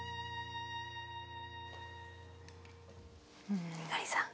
うん。